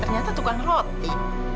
ternyata tukang roti